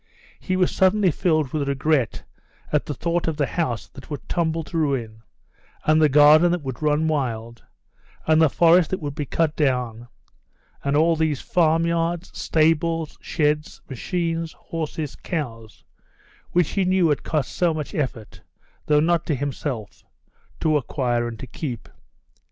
He was suddenly filled with regret at the thought of the house that would tumble to ruin, and the garden that would run wild, and the forest that would be cut down, and all these farmyards, stables, sheds, machines, horses, cows which he knew had cost so much effort, though not to himself, to acquire and to keep.